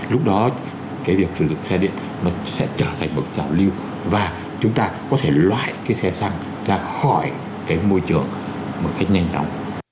lúc đó cái việc sử dụng xe điện nó sẽ trở thành bậc trào lưu và chúng ta có thể loại cái xe xăng ra khỏi cái môi trường một cách nhanh chóng